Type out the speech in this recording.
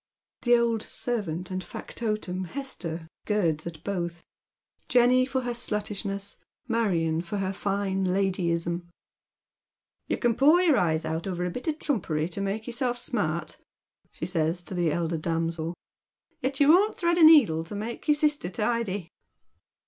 The old servant and factotum, Hester, girds at both, — Jenny for her sluttishness, Marion for her iine ladyism. " You can pore your eyes out over a bit of trumpery to make yourself smart," she says to the elder damsel, " yet you won't thread a needle to make your sister tidy."